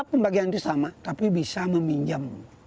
pembagian itu sama tapi bisa meminjam